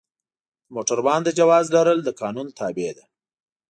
د موټروان د جواز لرل د قانون تابع ده.